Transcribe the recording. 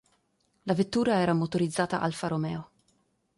La vettura era motorizzata Alfa Romeo.